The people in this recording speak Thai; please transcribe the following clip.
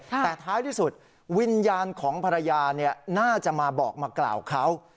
แต่ท้ายที่สุดวิญญาณของภรรยาน่าจะมาบอกมากล่าวเขา